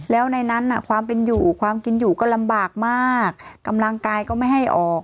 แล้วในนั้นความเป็นอยู่ความกินอยู่ก็ลำบากมากกำลังกายก็ไม่ให้ออก